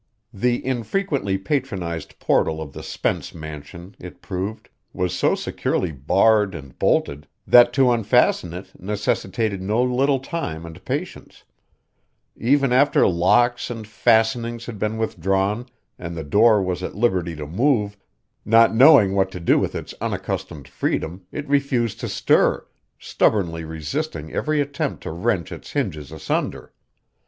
The infrequently patronized portal of the Spence mansion, it proved, was so securely barred and bolted that to unfasten it necessitated no little time and patience; even after locks and fastenings had been withdrawn and the door was at liberty to move, not knowing what to do with its unaccustomed freedom it refused to stir, stubbornly resisting every attempt to wrench its hinges asunder.